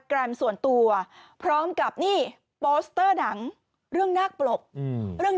แกรมส่วนตัวพร้อมกับนี่โปสเตอร์หนังเรื่องนาคปลกเรื่อง